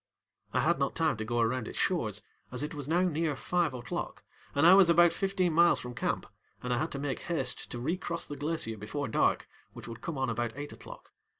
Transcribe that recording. I had not time to go around its shores, as it was now near five oŌĆÖclock and I was about fifteen miles from camp, and I had to make haste to recross the glacier before dark, which would come on about eight oŌĆÖclock.